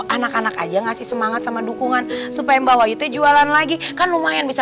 anak anak aja ngasih semangat sama dukungan supaya butuh jualan lagi kan lumayan bisa